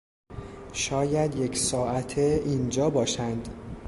شاید یک ساعته اینجا باشند.